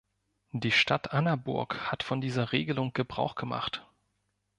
Die Stadt Annaburg hat von dieser Regelung Gebrauch gemacht.